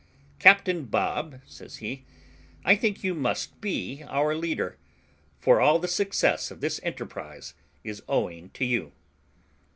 "Captain Bob," says he, "I think you must be our leader, for all the success of this enterprise is owing to you."